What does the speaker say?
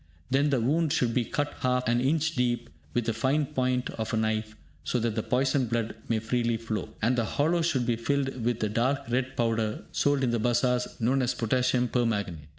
Then the wound should be cut half an inch deep with the fine point of a knife, so that the poisoned blood may freely flow, and the hollow should be filled with the dark red powder sold in the bazaars and known as Potassium Permanganate.